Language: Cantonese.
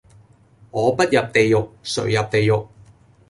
我不入地獄,誰入地獄